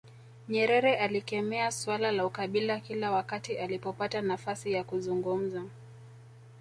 Nyerere alikemea suala la ukabila kila wakati alipopata nafasi ya kuzungumza